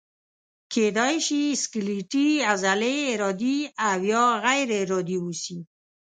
کیدای شي سکلیټي عضلې ارادي او یا غیر ارادي اوسي.